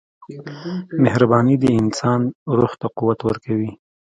• مهرباني د انسان روح ته قوت ورکوي.